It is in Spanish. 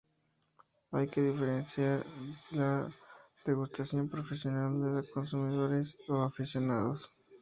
Hay que diferenciar la degustación profesional de la de consumidores o aficionados.